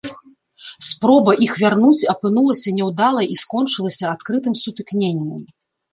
Спроба іх вярнуць апынулася няўдалай і скончылася адкрытым сутыкненнем.